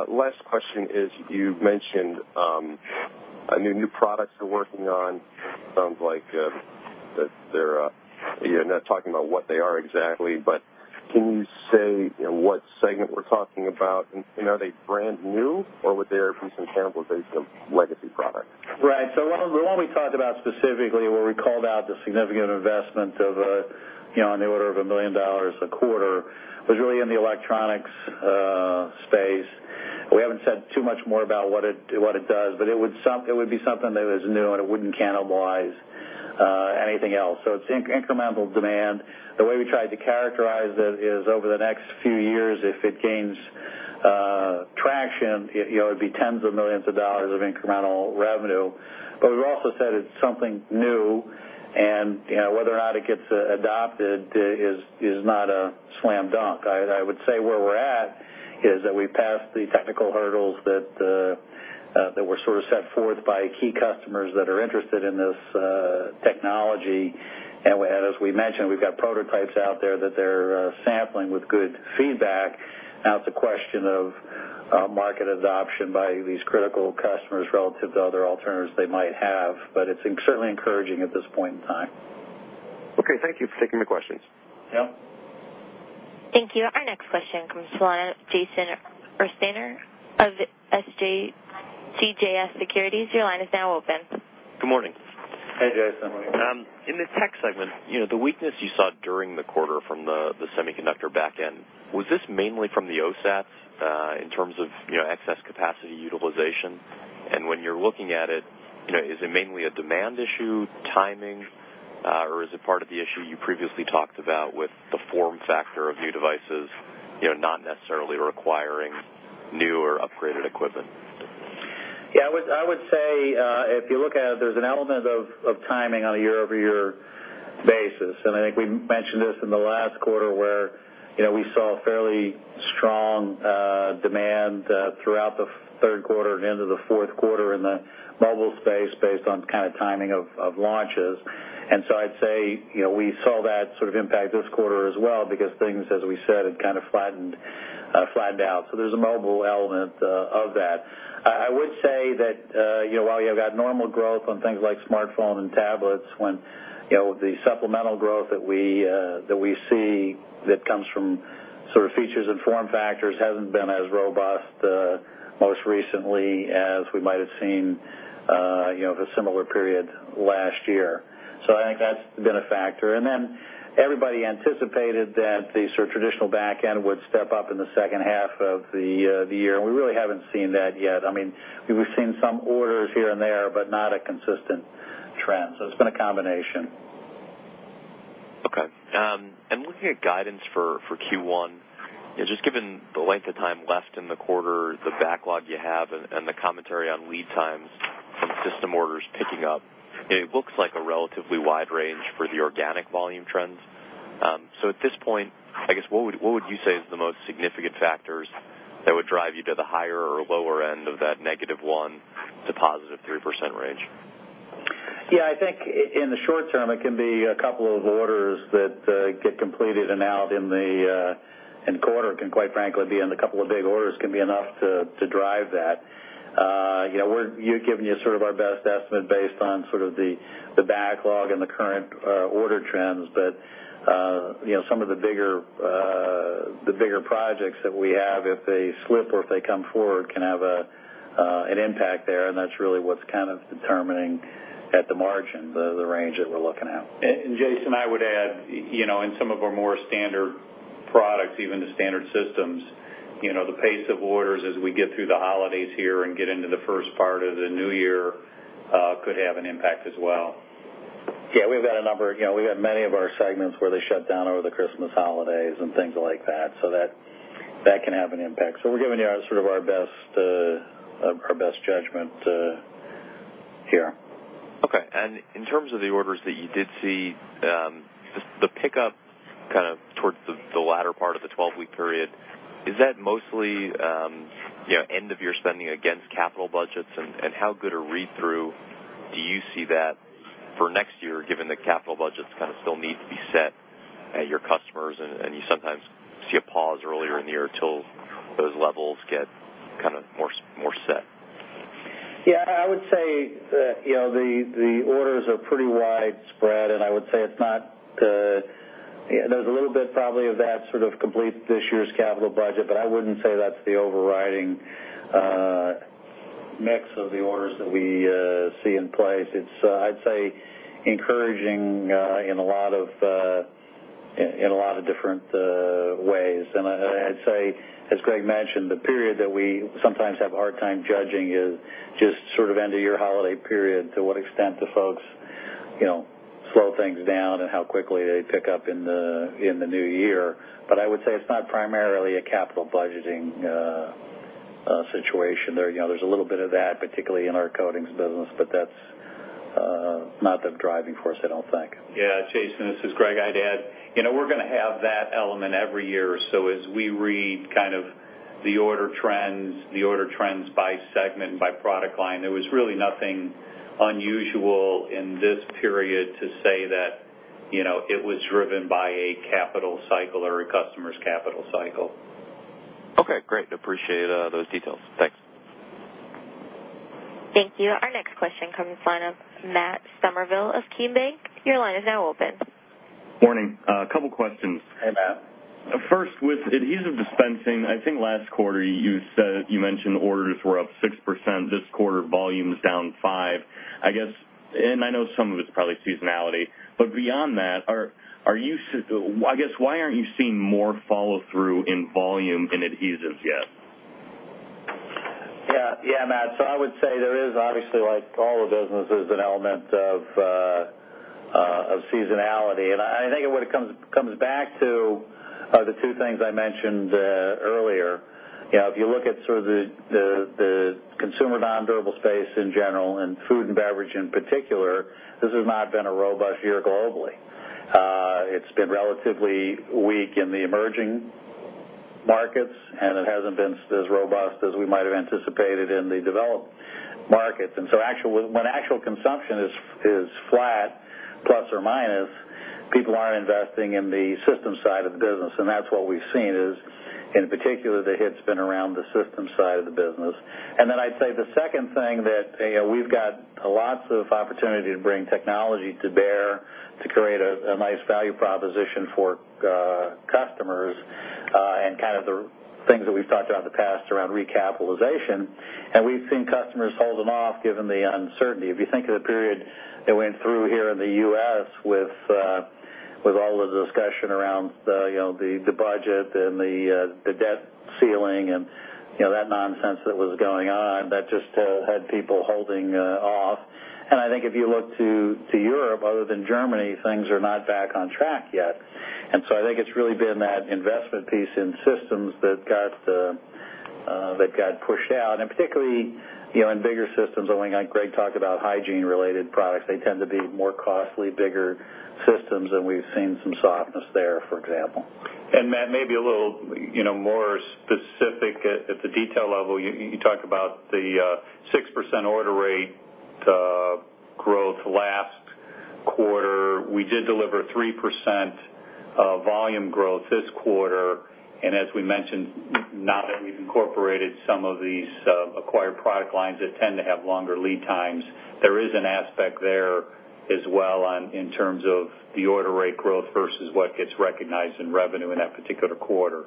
Last question is, you've mentioned a new products you're working on. Sounds like that they're you're not talking about what they are exactly, but can you say, you know, what segment we're talking about? And, you know, are they brand new or would they at least cannibalize some legacy product? Right. What we talked about specifically, where we called out the significant investment of, you know, on the order of $1 million a quarter, was really in the electronics space. We haven't said too much more about what it does, but it would be something that is new, and it wouldn't cannibalize anything else. It's incremental demand. The way we tried to characterize it is over the next few years, if it gains traction, it, you know, it'd be tens of millions of dollars of incremental revenue. We've also said it's something new, and, you know, whether or not it gets adopted is not a slam dunk. I would say where we're at is that we passed the technical hurdles that were sort of set forth by key customers that are interested in this technology. We had, as we mentioned, we've got prototypes out there that they're sampling with good feedback. Now it's a question of market adoption by these critical customers relative to other alternatives they might have, but it's certainly encouraging at this point in time. Okay. Thank you for taking the questions. Yeah. Thank you. Our next question comes from line of Jason Ursaner of CJS Securities. Your line is now open. Good morning. Hi, Jason. Good morning. In the tech segment, you know, the weakness you saw during the quarter from the semiconductor back end, was this mainly from the OSATs in terms of, you know, excess capacity utilization? When you're looking at it, you know, is it mainly a demand issue, timing, or is it part of the issue you previously talked about with the form factor of new devices, you know, not necessarily requiring new or upgraded equipment? Yeah, I would say if you look at it, there's an element of timing on a year-over-year basis. I think we mentioned this in the last quarter where you know we saw fairly strong demand throughout the third quarter and into the fourth quarter in the mobile space based on kind of timing of launches. I'd say you know we saw that sort of impact this quarter as well because things as we said had kind of flattened out. There's a mobile element of that. I would say that, you know, while you've got normal growth on things like smartphone and tablets, when, you know, the supplemental growth that we see that comes from sort of features and form factors hasn't been as robust, most recently, as we might have seen, you know, for a similar period last year. I think that's been a factor. Then everybody anticipated that the sort of traditional back end would step up in the second half of the year, and we really haven't seen that yet. I mean, we've seen some orders here and there, but not a consistent trend. It's been a combination. Okay. Looking at guidance for Q1, you know, just given the length of time left in the quarter, the backlog you have, and the commentary on lead times from system orders picking up, it looks like a relatively wide range for the organic volume trends. At this point, I guess, what would you say is the most significant factors that would drive you to the higher or lower end of that -1% to +3% range? Yeah, I think in the short term, it can be a couple of orders that get completed and out in the quarter. It can, quite frankly, be that a couple of big orders can be enough to drive that. You know, we've given you sort of our best estimate based on sort of the backlog and the current order trends. You know, some of the bigger projects that we have, if they slip or if they come forward, can have an impact there, and that's really what's kind of determining at the margin the range that we're looking at. Jason, I would add, you know, in some of our more standard products, even the standard systems, you know, the pace of orders as we get through the holidays here and get into the first part of the new year, could have an impact as well. Yeah, you know, we've got many of our segments where they shut down over the Christmas holidays and things like that, so that can have an impact. We're giving you our best judgment here. Okay. In terms of the orders that you did see, just the pickup kind of towards the latter part of the 12-week period, is that mostly, you know, end of year spending against capital budgets? How good a read-through do you see that for next year, given that capital budgets kind of still need to be set at your customers, and you sometimes see a pause earlier in the year till those levels get kind of more set? Yeah, I would say, you know, the orders are pretty widespread, and I would say it's not, you know, there's a little bit probably of that sort of complete this year's capital budget, but I wouldn't say that's the overriding mix of the orders that we see in place. It's, I'd say encouraging in a lot of different ways. I'd say, as Greg mentioned, the period that we sometimes have a hard time judging is just sort of end of year holiday period, to what extent the folks, you know, slow things down and how quickly they pick up in the new year. I would say it's not primarily a capital budgeting situation there. You know, there's a little bit of that, particularly in our coatings business, but that's not the driving force, I don't think. Yeah. Jason, this is Greg. I'd add, you know, we're gonna have that element every year. As we read kind of the order trends by segment, by product line, there was really nothing unusual in this period to say that, you know, it was driven by a capital cycle or a customer's capital cycle. Okay, great. Appreciate, those details. Thanks. Thank you. Our next question comes from the line of Matt Summerville of KeyBank. Your line is now open. Morning. A couple of questions. Hey, Matt. First, with Adhesive Dispensing, I think last quarter you mentioned orders were up 6%, this quarter volume is down 5%. I guess, I know some of it's probably seasonality, but beyond that, I guess, why aren't you seeing more follow-through in volume in adhesives yet? Yeah. Yeah, Matt. I would say there is obviously, like all the businesses, an element of seasonality. I think what it comes back to are the two things I mentioned earlier. You know, if you look at sort of the consumer nondurable space in general, and food and beverage in particular, this has not been a robust year globally. It's been relatively weak in the emerging markets, and it hasn't been as robust as we might have anticipated in the developed markets. When actual consumption is flat, plus or minus, people aren't investing in the systems side of the business. That's what we've seen is in particular the hit's been around the systems side of the business. I'd say the second thing that we've got lots of opportunity to bring technology to bear to create a nice value proposition for customers, and kind of the things that we've talked about in the past around recapitalization. We've seen customers holding off given the uncertainty. If you think of the period that went through here in the U.S., with all of the discussion around you know the budget and the debt ceiling, and you know that nonsense that was going on, that just had people holding off. I think if you look to Europe, other than Germany, things are not back on track yet. I think it's really been that investment piece in systems that got pushed out. Particularly, you know, in bigger systems, I think, like Greg talked about hygiene-related products, they tend to be more costly, bigger systems, and we've seen some softness there, for example. Matt, maybe a little, you know, more specific at the detail level, you talked about the 6% order rate growth last quarter. We did deliver 3% volume growth this quarter. As we mentioned, now that we've incorporated some of these acquired product lines that tend to have longer lead times, there is an aspect there as well in terms of the order rate growth versus what gets recognized in revenue in that particular quarter.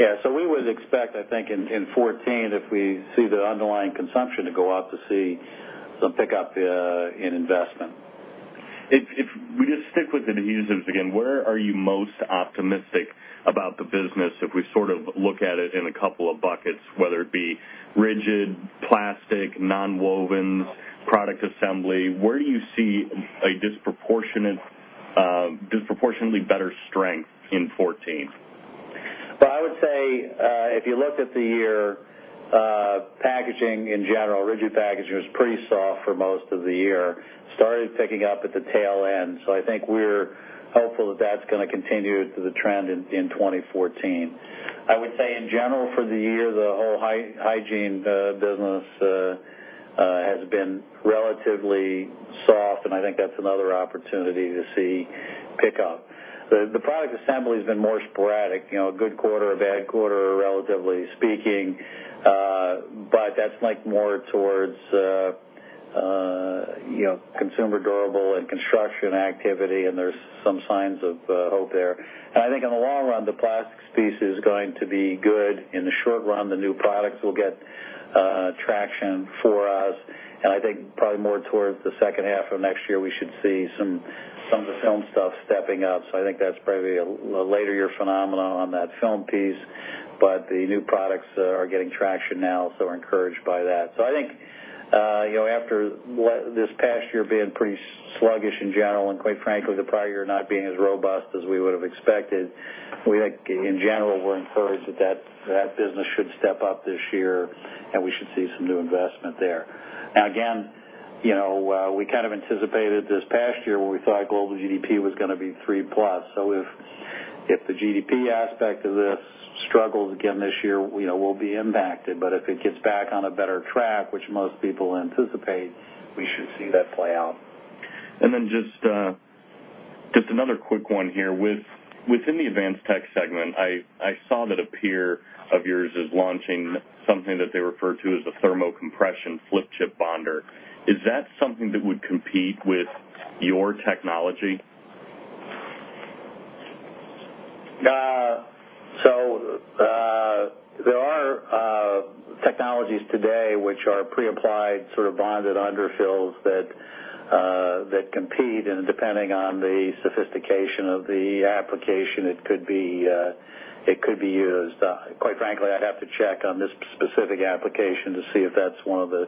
Yeah. We would expect, I think in 2014, if we see the underlying consumption to go up, to see some pickup in investment. If we just stick with adhesives again, where are you most optimistic about the business if we sort of look at it in a couple of buckets, whether it be rigid, plastic, nonwovens, product assembly? Where do you see a disproportionately better strength in 2014? Well, I would say, if you look at the year, packaging in general, rigid packaging was pretty soft for most of the year. Started picking up at the tail end. I think we're hopeful that that's gonna continue to the trend in 2014. I would say in general for the year, the whole hygiene business has been relatively soft, and I think that's another opportunity to see pick up. The product assembly has been more sporadic, you know, a good quarter, a bad quarter, relatively speaking. That's like more towards, you know, consumer durable and construction activity, and there's some signs of hope there. I think in the long run, the plastics piece is going to be good. In the short run, the new products will get traction for us. I think probably more towards the second half of next year, we should see some of the film stuff stepping up. I think that's probably a later-year phenomenon on that film piece. The new products are getting traction now, so we're encouraged by that. I think, you know, after this past year being pretty sluggish in general, and quite frankly, the prior year not being as robust as we would have expected, we think in general, we're encouraged that business should step up this year, and we should see some new investment there. Now, again, you know, we kind of anticipated this past year, where we thought global GDP was gonna be 3+. If the GDP aspect of this struggles again this year, you know, we'll be impacted, but if it gets back on a better track, which most people anticipate, we should see that play out. Just another quick one here. Within the Advanced Technology segment, I saw that a peer of yours is launching something that they refer to as a thermocompression flip chip bonder. Is that something that would compete with your technology? There are technologies today which are pre-applied, sort of bonded underfills that compete, and depending on the sophistication of the application, it could be used. Quite frankly, I'd have to check on this specific application to see if that's one of the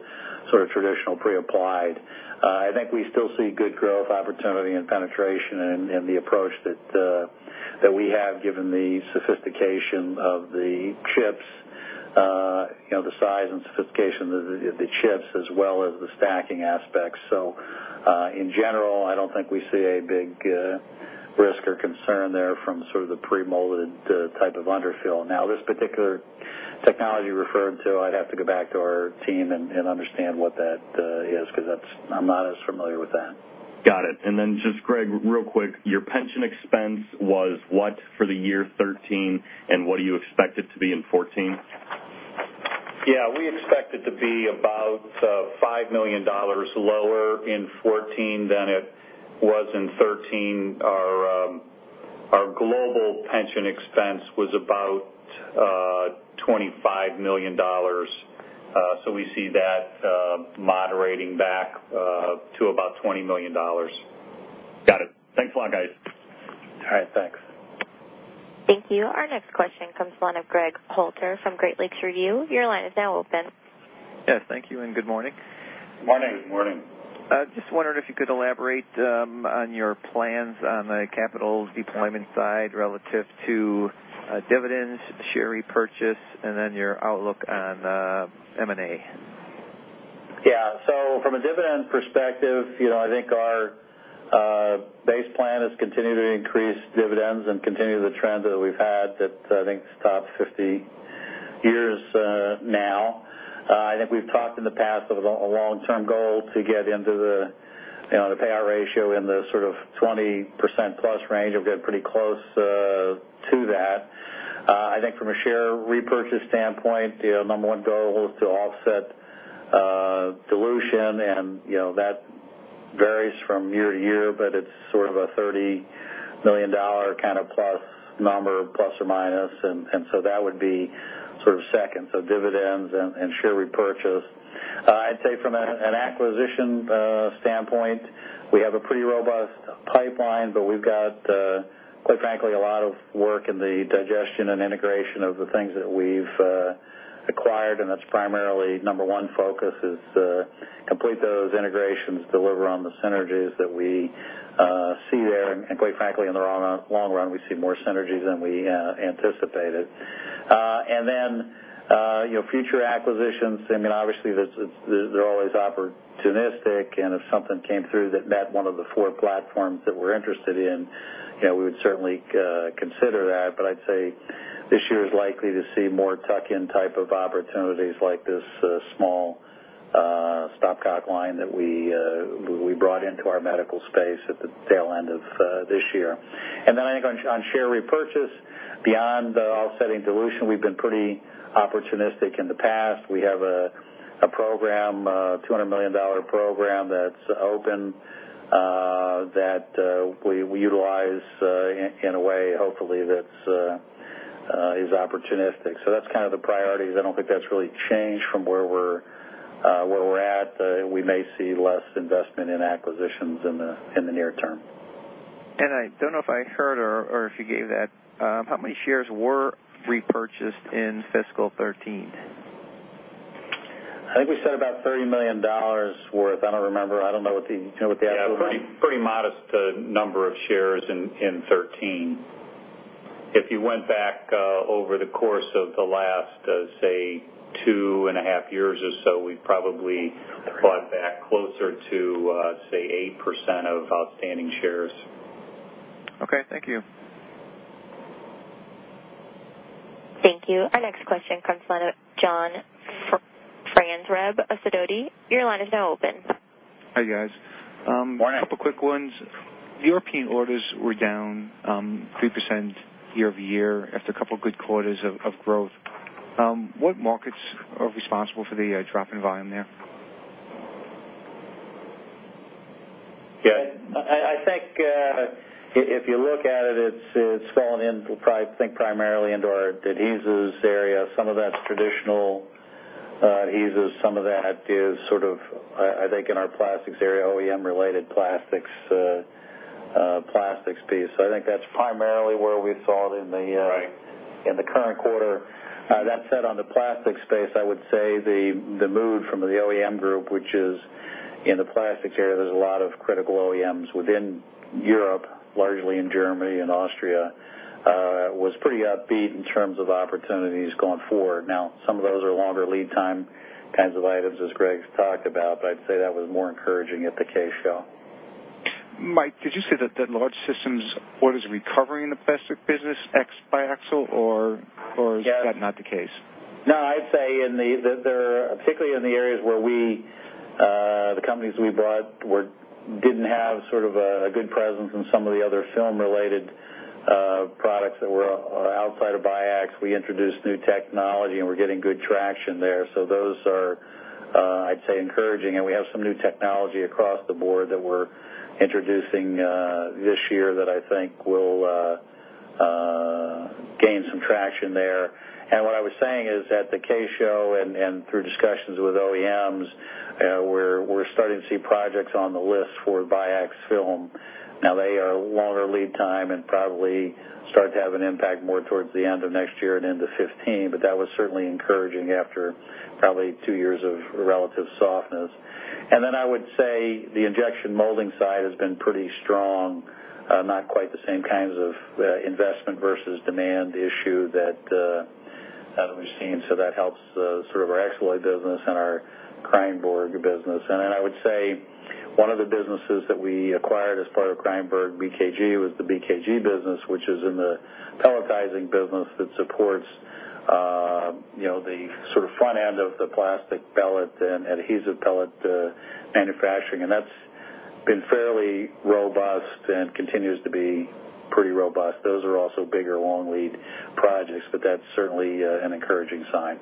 sort of traditional pre-applied. I think we still see good growth opportunity and penetration in the approach that we have given the sophistication of the chips, you know, the size and sophistication of the chips, as well as the stacking aspects. In general, I don't think we see a big risk or concern there from sort of the pre-molded type of underfill. Now, this particular technology referred to, I'd have to go back to our team and understand what that is 'cause that's. I'm not as familiar with that. Got it. Just, Greg, real quick, your pension expense was what for the year 2013, and what do you expect it to be in 2014? Yeah. We expect it to be about $5 million lower in 2014 than it was in 2013. Our global pension expense was about $25 million. We see that moderating back to about $20 million. Got it. Thanks a lot, guys. All right. Thanks. Thank you. Our next question comes from the line of Gregg Hillman from Great Lakes Review. Your line is now open. Yes, thank you, and good morning. Morning. Morning. I just wondered if you could elaborate on your plans on the capital deployment side relative to dividends, share repurchase, and then your outlook on M&A? Yeah. From a dividend perspective, you know, I think our base plan is continue to increase dividends and continue the trend that we've had that I think is top 50 years now. I think we've talked in the past of a long-term goal to get into the, you know, the payout ratio in the sort of 20%+ range. We've got pretty close to that. I think from a share repurchase standpoint, the number one goal is to offset dilution, and, you know, that varies from year to year, but it's sort of a $30 million kind of plus number, plus or minus. That would be sort of second, so dividends and share repurchase. I'd say from an acquisition standpoint, we have a pretty robust pipeline, but we've got, quite frankly, a lot of work in the digestion and integration of the things that we've acquired, and that's primarily number one focus is complete those integrations, deliver on the synergies that we see there. Quite frankly, in the long run, we see more synergies than we anticipated. Then, you know, future acquisitions, I mean, obviously, they're always opportunistic, and if something came through that met one of the four platforms that we're interested in, you know, we would certainly consider that. I'd say this year is likely to see more tuck-in type of opportunities like this small stopcock line that we brought into our medical space at the tail end of this year. I think on share repurchase, beyond offsetting dilution, we've been pretty opportunistic in the past. We have a program, $200 million program that's open, that we utilize in a way, hopefully, that's opportunistic. That's kind of the priorities. I don't think that's really changed from where we're at. We may see less investment in acquisitions in the near term. I don't know if I heard or if you gave that, how many shares were repurchased in fiscal 2013? I think we said about $30 million worth. I don't remember. I don't know what the, you know, actual. Yeah. Pretty modest number of shares in 2013. If you went back over the course of the last, say, two and a half years or so, we've probably bought back closer to, say, 8% of outstanding shares. Okay. Thank you. Thank you. Our next question comes from the line of John Franzreb of Sidoti & Company. Your line is now open. Hi, guys. Morning. A couple quick ones. European orders were down 3% year-over-year after a couple good quarters of growth. What markets are responsible for the drop in volume there? Yeah, I think if you look at it's fallen in price, I think primarily into our adhesives area. Some of that's traditional adhesives. Some of that is sort of, I think in our plastics area, OEM related plastics piece. I think that's primarily where we saw it in the Right. In the current quarter. That said, on the plastics space, I would say the move from the OEM group, which is in the plastics area, there's a lot of critical OEMs within Europe, largely in Germany and Austria, was pretty upbeat in terms of opportunities going forward. Now, some of those are longer lead time kinds of items, as Greg's talked about, but I'd say that was more encouraging at the K Show. Mike, did you say that the large systems orders recovering the plastic business ex-biaxial or is that not the case? No, I'd say they're particularly in the areas where we, the companies we bought didn't have sort of a good presence in some of the other film related products that were outside of biax. We introduced new technology, and we're getting good traction there. Those are, I'd say, encouraging. We have some new technology across the board that we're introducing this year that I think will gain some traction there. What I was saying is at the K Show and through discussions with OEMs, we're starting to see projects on the list for biax film. Now they are longer lead time and probably start to have an impact more towards the end of next year and into 2015. That was certainly encouraging after probably two years of relative softness. I would say the injection molding side has been pretty strong. Not quite the same kinds of investment versus demand issue that we've seen. That helps the sort of our Xaloy business and our Kreyenborg business. I would say one of the businesses that we acquired as part of Kreyenborg BKG was the BKG business, which is in the pelletizing business that supports, you know, the sort of front end of the plastic pellet and adhesive pellet manufacturing. That's been fairly robust and continues to be pretty robust. Those are also bigger long lead projects, but that's certainly an encouraging sign.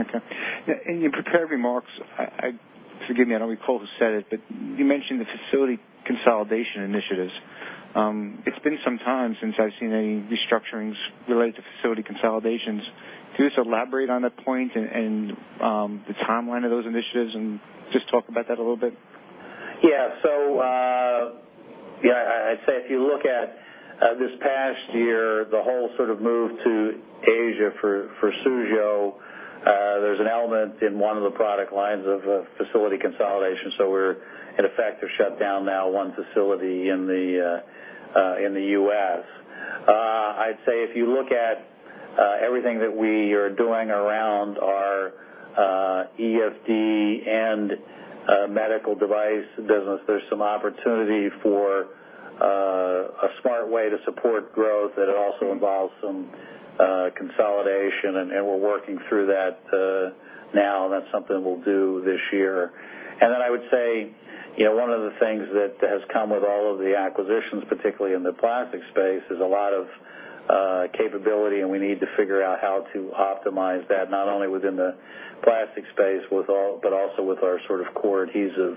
Okay. In your prepared remarks, I, forgive me, I don't recall who said it, but you mentioned the facility consolidation initiatives. It's been some time since I've seen any restructurings related to facility consolidations. Could you just elaborate on that point and the timeline of those initiatives and just talk about that a little bit? Yeah. So, yeah, I'd say if you look at this past year, the whole sort of move to Asia for Suzhou, there's an element in one of the product lines of facility consolidation. We're in effect have shut down now one facility in the U.S. I'd say if you look at everything that we are doing around our EFD and medical device business, there's some opportunity for a smart way to support growth, that it also involves some consolidation, and we're working through that now. That's something we'll do this year. I would say, you know, one of the things that has come with all of the acquisitions, particularly in the plastic space, is a lot of capability, and we need to figure out how to optimize that, not only within the plastic space but also with our sort of core adhesive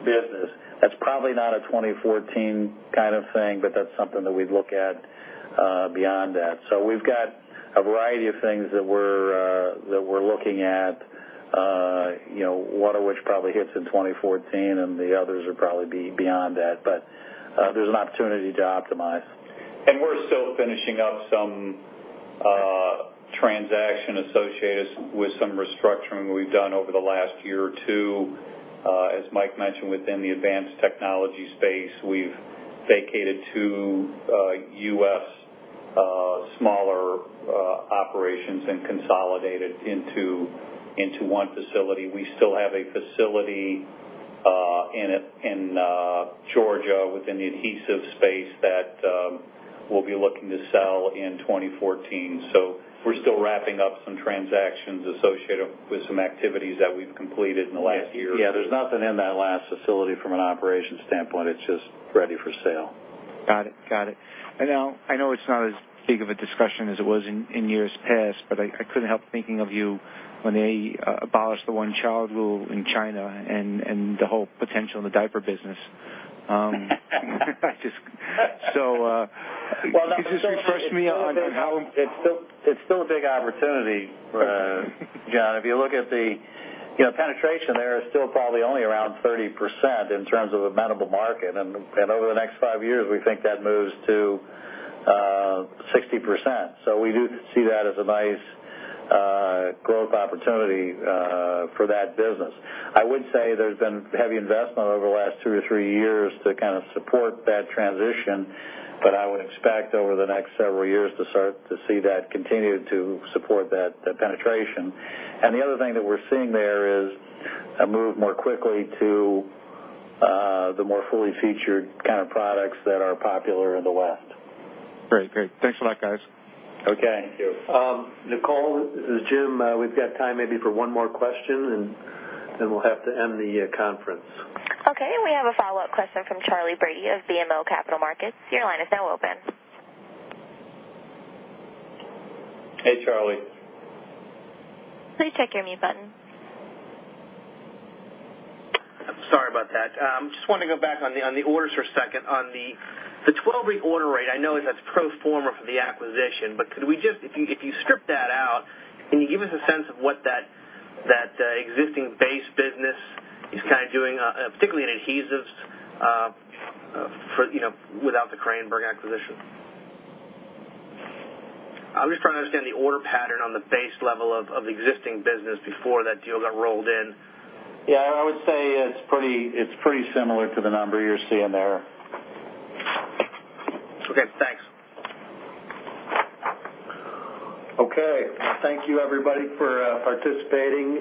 business. That's probably not a 2014 kind of thing, but that's something that we'd look at beyond that. We've got a variety of things that we're looking at, you know, one of which probably hits in 2014, and the others will probably be beyond that. There's an opportunity to optimize. We're still finishing up some transactions associated with some restructuring we've done over the last year or two. As Mike mentioned, within the Advanced Technology space, we've vacated two U.S. smaller operations and consolidated into one facility. We still have a facility in Georgia within the adhesive space that we'll be looking to sell in 2014. We're still wrapping up some transactions associated with some activities that we've completed in the last year. Yeah, there's nothing in that last facility from an operations standpoint. It's just ready for sale. Got it. I know it's not as big of a discussion as it was in years past, but I couldn't help thinking of you when they abolished the one-child rule in China and the whole potential in the diaper business. Just so, Well, no. Could you just refresh me on how? It's still a big opportunity, John. If you look at the, you know, penetration there is still probably only around 30% in terms of amenable market. Over the next five years, we think that moves to 60%. We do see that as a nice growth opportunity for that business. I would say there's been heavy investment over the last two to three years to kind of support that transition. I would expect over the next several years to start to see that continue to support that penetration. The other thing that we're seeing there is a move more quickly to the more fully featured kind of products that are popular in the West. Great. Thanks a lot, guys. Okay. Thank you. Nicole, this is Jim. We've got time maybe for one more question, and then we'll have to end the conference. Okay, we have a follow-up question from Charlie Brady of BMO Capital Markets. Your line is now open. Hey, Charlie. Please check your mute button. Sorry about that. Just wanna go back on the orders for a second. On the 12-week order rate, I know that's pro forma for the acquisition, but could we just, if you strip that out, can you give us a sense of what that existing base business is kinda doing, particularly in adhesives, for, you know, without the Kreyenborg acquisition? I'm just trying to understand the order pattern on the base level of existing business before that deal got rolled in. Yeah, I would say it's pretty similar to the number you're seeing there. Okay, thanks. Okay. Thank you everybody for participating.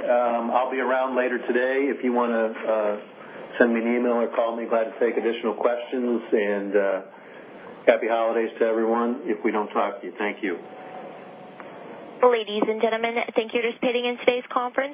I'll be around later today if you wanna send me an email or call me. Glad to take additional questions and happy holidays to everyone if we don't talk to you. Thank you. Ladies and gentlemen, thank you for participating in today's conference.